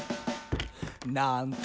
「なんと！